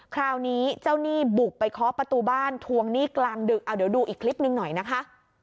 คราวนี้เจ้าหนี้บุกไปเคาะประตูบ้านทวงหนี้กลางดึกเอาเดี๋ยวดูอีกคลิปหนึ่งหน่อยนะคะ